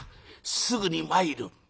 すぐに参る」。